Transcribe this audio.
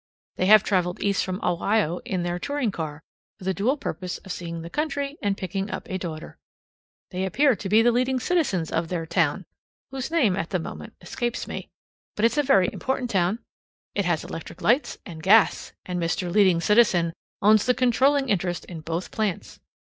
They have traveled East from Ohio in their touring car for the dual purpose of seeing the country and picking up a daughter. They appear to be the leading citizens of their town, whose name at the moment escapes me; but it's a very important town. It has electric lights and gas, and Mr. Leading Citizen owns the controlling interest in both plants.